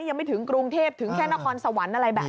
ยังไม่ถึงกรุงเทพถึงแค่นครสวรรค์อะไรแบบนี้